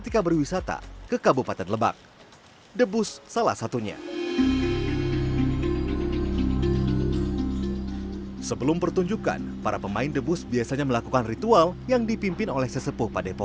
kami akan mencari penyelesaian dari desa ini